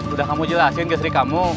udah kamu jelasin ke sri kamu